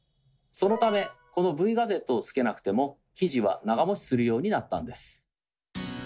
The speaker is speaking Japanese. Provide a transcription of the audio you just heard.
そのためこのＶガゼットをつけなくても生地は長持ちするようになったんです。